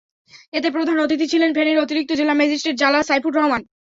এতে প্রধান অতিথি ছিলেন ফেনীর অতিরিক্ত জেলা ম্যাজিস্ট্রেট জালাল সাইফুর রহমান।